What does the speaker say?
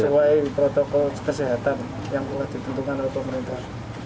sesuai protokol kesehatan yang telah ditentukan oleh pemerintah